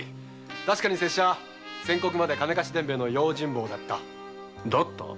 確かに拙者先刻まで金貸し伝兵衛の用心棒だった。だった？